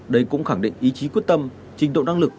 đây cũng khẳng định ý chí quyết tâm trình độ năng lực